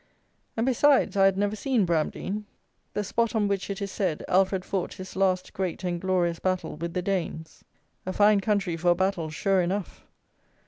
And, besides, I had never seen Bramdean, the spot on which, it is said, Alfred fought his last great and glorious battle with the Danes. A fine country for a battle, sure enough!